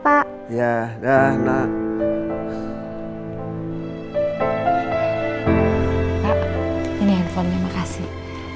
pak ini handphonenya makasih